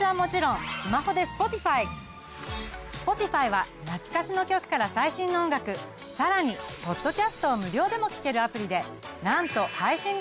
Ｓｐｏｔｉｆｙは懐かしの曲から最新の音楽さらにポッドキャストを無料でも聞けるアプリでなんと配信楽曲は邦楽含め８，０００万